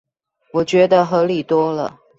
我覺得合理多了